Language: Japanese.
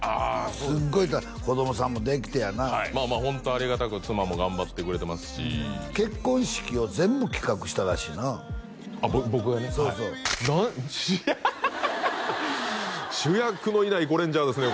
すっごい子供さんもできてやなまあまあホントありがたく妻も頑張ってくれてますし結婚式を全部企画したらしいな僕がねはいそうそうハハハハ主役のいないゴレンジャーですね